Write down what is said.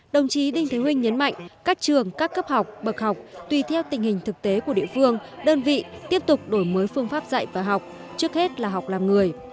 đồng chí đinh thế huynh nhấn mạnh các trường các cấp học bậc học tùy theo tình hình thực tế của địa phương đơn vị tiếp tục đổi mới phương pháp dạy và học trước hết là học làm người